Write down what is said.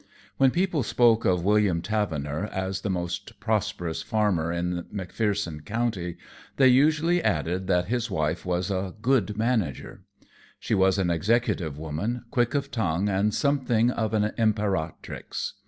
When people spoke of William Tavener as the most prosperous farmer in McPherson County, they usually added that his wife was a "good manager." She was an executive woman, quick of tongue and something of an imperatrix.